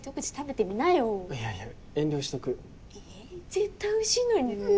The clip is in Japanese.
絶対おいしいのにね。ねぇ！